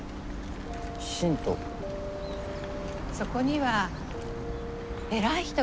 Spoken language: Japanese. そこには偉い人がいないの。